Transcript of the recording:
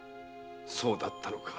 そうだったのか。